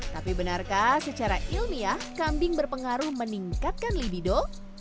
tapi benarkah secara ilmiah kambing berpengaruh meningkatkan libido